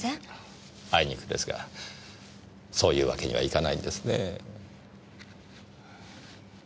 あいにくですがそういうわけにはいかないんですねぇ。